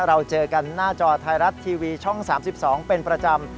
เราเจอกันหน้าจอไทยรัฐทีวีช่อง๓๒เป็นประจำ